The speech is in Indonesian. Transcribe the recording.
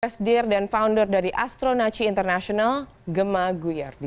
presidir dan founder dari astronaci international gemma guyardi